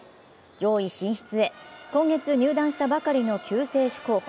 上位進出へ、今月入団したばかりの救世主候補。